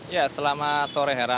ya selamat sore hera